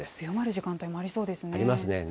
強まる時間帯もありそうですね。ありますね。